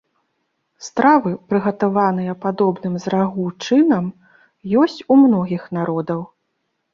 Стравы, прыгатаваныя падобным з рагу чынам, ёсць у многіх народаў.